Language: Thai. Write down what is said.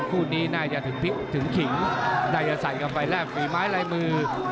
คู่นี่น่าจะถึงขิงได้ดระสัดกันไปแล้วฝีไม้ลายมือ